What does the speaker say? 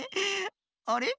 あれ？